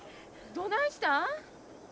どないしたん？